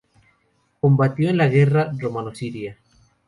Combatió en la guerra romano-siria.